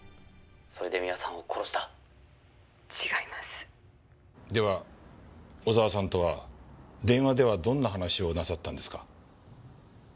「それで三輪さんを殺した」「違います」では小沢さんとは電話ではどんな話をなさったんですか？